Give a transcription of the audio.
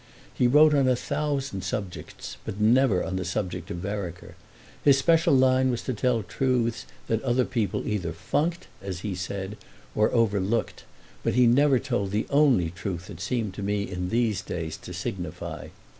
He wrote on a thousand subjects, but never on the subject of Vereker. His special line was to tell truths that other people either "funked," as he said, or overlooked, but he never told the only truth that seemed to me in these days to signify.